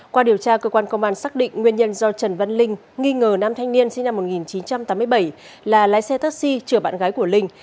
qua điều tra cơ quan công an xác định nguyên nhân do trần văn linh nghi ngờ nam thanh niên sinh năm một nghìn chín trăm tám mươi bảy là lái xe taxi chở bạn gái của linh